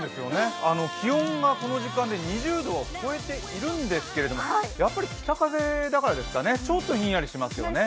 気温がこの時間で２０度を超えているんですけど、やっぱり北風だからですかねちょっとひんやりしますね。